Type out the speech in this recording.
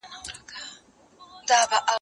هغه چي وای موږ خلګ نه يو .